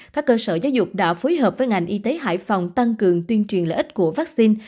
các cơ sở giáo dục đã phối hợp với ngành y tế hải phòng tăng cường tuyên truyền lợi ích của vaccine